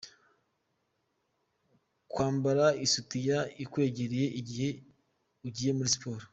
Kwambara isutiye ikwegereye igihe ugiye muri siporo,.